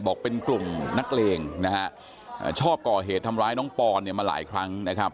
เป็นกลุ่มนักเลงนะฮะชอบก่อเหตุทำร้ายน้องปอนเนี่ยมาหลายครั้งนะครับ